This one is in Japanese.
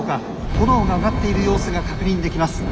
炎が上がっている様子が確認できます。